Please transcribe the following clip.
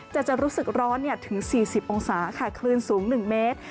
จะจะรู้สึกร้อนเนี่ยถึงสี่สิบองศาค่ะคลื่นสูงหนึ่งเมตร